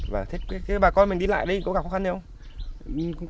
và thế bà con mình đi lại đây có gặp khó khăn gì không